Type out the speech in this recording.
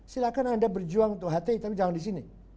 silahkan anda berjuang untuk hti tapi jangan di sini